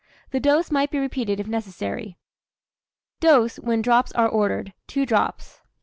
The dose might be repeated if necessary. Dose, when drops are ordered, 2 drops.